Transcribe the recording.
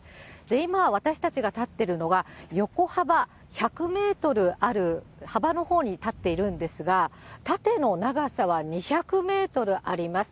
今、私たちが立っているのが、横幅１００メートルある幅のほうに立っているんですが、縦の長さは２００メートルあります。